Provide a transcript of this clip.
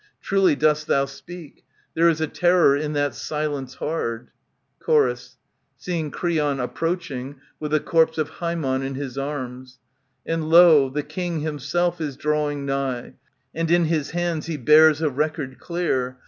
Truly dost thou speak ; There is a terror in that silence hard. Chor. [Seeing Creon approaching with the corpse of H/EMON in his arms.] And lo! the king himself is drawing nigh, And in his hands he bears a record clear.